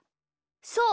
そう。